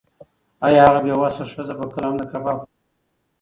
ایا هغه بې وسه ښځه به کله هم د کباب خوند وڅکي؟